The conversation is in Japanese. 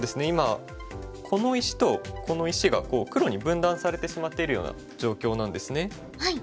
今この石とこの石が黒に分断されてしまっているような状況なんですね。